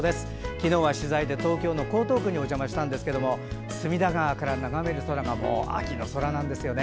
昨日は取材で東京の江東区にお邪魔したんですが隅田川から眺める空がもう秋なんですよね。